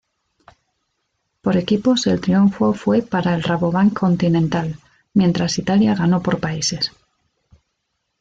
Por equipos, el triunfo fue para el Rabobank Continental, mientras Italia ganó por países.